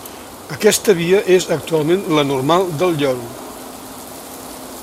Aquesta via és actualment la Normal del Lloro.